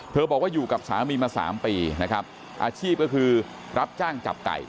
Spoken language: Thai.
บอกว่าอยู่กับสามีมาสามปีนะครับอาชีพก็คือรับจ้างจับไก่